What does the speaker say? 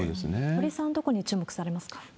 堀さん、どこに注目されますか？